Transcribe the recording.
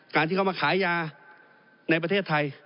การที่เขามาขายยาในประเทศไทย